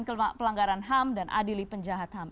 ke pelanggaran ham dan adili penjahat ham